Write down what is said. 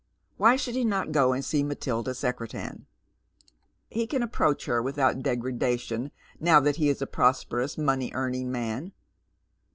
Why should he not go and see Matilda Secretan ? He can approach her without degradation now that he is a prosperous, money earning man.